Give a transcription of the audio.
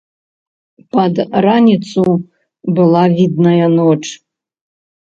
Пад раніцу была відная ноч.